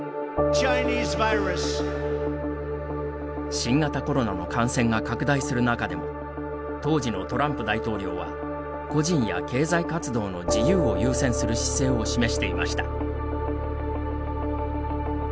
新型コロナの感染が拡大する中でも当時のトランプ大統領は個人や経済活動の自由を優先する姿勢を示していました。